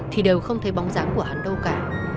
thì đều không thấy bóng dáng của hắn đâu cả